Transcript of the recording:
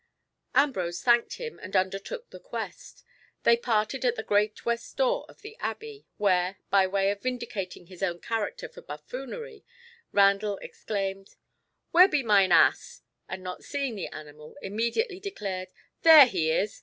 Ambrose thanked him and undertook the quest. They parted at the great west door of the Abbey, where, by way of vindicating his own character for buffoonery, Randall exclaimed, "Where be mine ass?" and not seeing the animal, immediately declared, "There he is!"